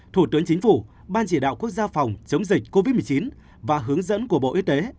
thủ tướng chính phủ ban chỉ đạo quốc gia phòng chống dịch covid một mươi chín và hướng dẫn của bộ y tế